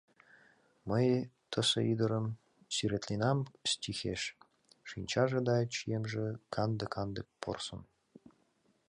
Мый тысе ӱдырым сӱретленам стихеш: шинчаже да чиемже — канде-канде порсын.